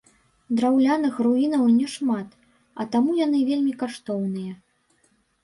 Драўляных руінаў няшмат, і таму яны вельмі каштоўныя.